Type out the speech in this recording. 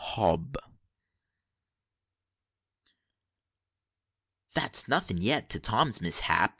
HOB. "That's nothin yet, to Tom's mishap!